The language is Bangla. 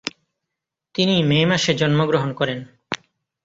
তিনি মে মাসে জন্মগ্রহণ করেন।